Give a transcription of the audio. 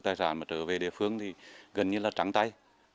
tài sản mà trở về địa phương thì gần như là trắng tay